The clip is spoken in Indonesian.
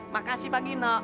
makasih pak gino